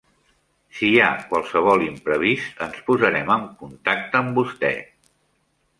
Si hi ha qualsevol imprevist ens posarem en contacte amb vostè.